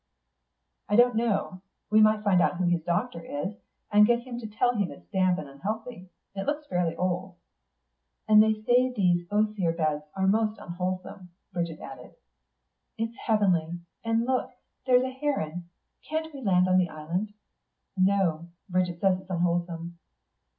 "I don't know. We might find out who his doctor is, and get him to tell him it's damp and unhealthy. It looks fairly old." "And they say those osier beds are most unwholesome," Bridget added. "It's heavenly. And look, there's a heron.... Can't we land on the island?" "No. Bridget says it's unwholesome."